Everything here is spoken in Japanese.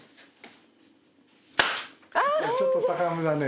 ちょっと高めだね